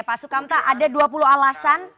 pak sukamta ada dua puluh alasan